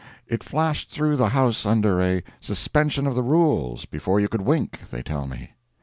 It flashed through the House under a suspension of the rules, before you could wink, they tell me.